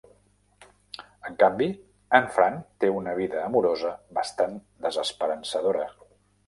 En canvi, en Fran té una vida amorosa bastant desesperançadora.